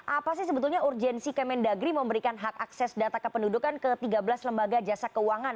apa sih sebetulnya urgensi kemendagri memberikan hak akses data kependudukan ke tiga belas lembaga jasa keuangan